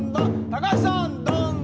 高橋さん。